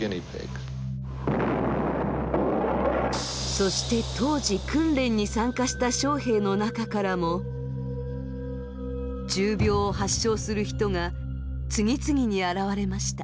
そして当時訓練に参加した将兵の中からも重病を発症する人が次々に現れました。